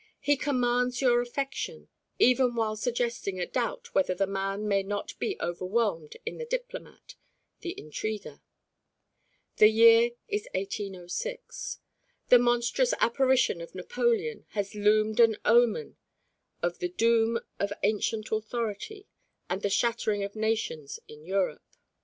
He commands your affection even while suggesting a doubt whether the man may not be overwhelmed in the diplomat, the intriguer. The year is 1806. The monstrous apparition of Napoleon has loomed an omen of the doom of ancient authority and the shattering of nations in Europe.